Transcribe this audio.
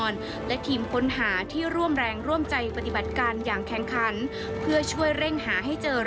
เราไปติดตามจากรายงานกันค่ะ